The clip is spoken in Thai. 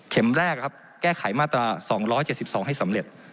แรกครับแก้ไขมาตรา๒๗๒ให้สำเร็จ